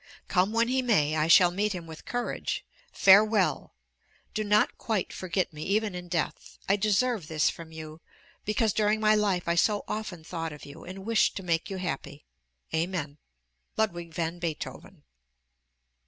Come when he may, I shall meet him with courage. Farewell! Do not quite forget me, even in death: I deserve this from you, because during my life I so often thought of you, and wished to make you happy. Amen! LUDWIG VAN BEETHOVEN.